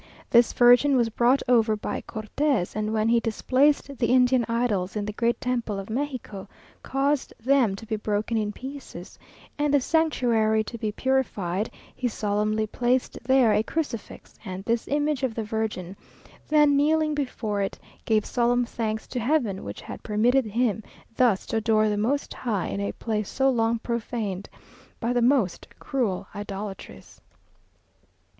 This Virgin was brought over by Cortes, and when he displaced the Indian idols in the great Temple of Mexico, caused them to be broken in pieces, and the sanctuary to be purified, he solemnly placed there a crucifix and this image of the Virgin; then kneeling before it, gave solemn thanks to Heaven, which had permitted him thus to adore the Most High in a place so long profaned by the most cruel idolatries.